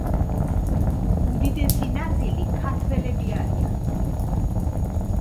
უდიდესი ნაწილი ქართველები არიან.